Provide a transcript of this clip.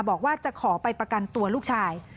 บอกว่าจะขอไปประกันตัวลูกชาย